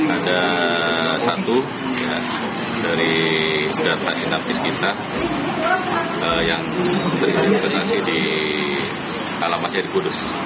ada satu dari data inafis kita yang teridentifikasi di alamatnya di kudus